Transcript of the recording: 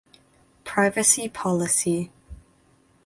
Privacy Policy